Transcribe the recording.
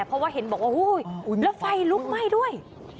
เพราะว่าเห็นบอกว่าอุ้ยแล้วไฟลุกไหม้ด้วย